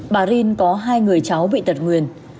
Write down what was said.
bà rin có hai người cháu bị tật nguyền